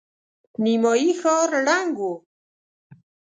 نيمايي ښار ړنګ و.